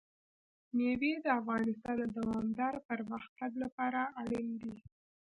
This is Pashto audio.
مېوې د افغانستان د دوامداره پرمختګ لپاره اړین دي.